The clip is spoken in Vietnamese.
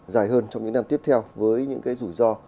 dài hơn trong những năm tiếp theo với những cái rủi ro